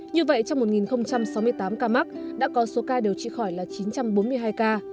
như vậy trong một sáu mươi tám ca mắc đã có số ca điều trị khỏi là chín trăm bốn mươi hai ca